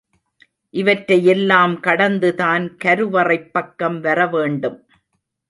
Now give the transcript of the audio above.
இவற்றை யெல்லாம்கடந்துதான் கருவறைப் பக்கம் வரவேணும்.